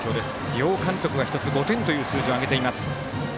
両監督が５点という数字を挙げています。